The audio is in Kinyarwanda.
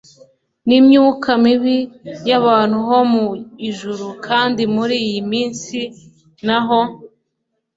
n'imyuka mibi y'ahantu ho mu ijuru."" Kandi muri iyi minsi naho,